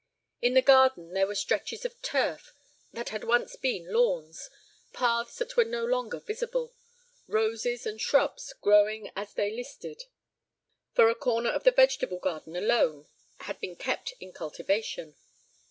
In the garden there were stretches of turf that had once been lawns, paths that were no longer visible, roses and shrubs growing as they listed, for a corner of the vegetable garden alone had been kept in cultivation.